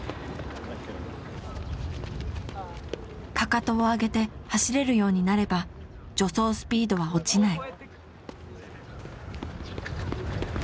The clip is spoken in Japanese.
かかとを上げて走れるようになれば助走スピードは落ちない。